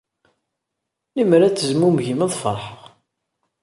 Lemmer ad tezmumgem, ad feṛḥeɣ.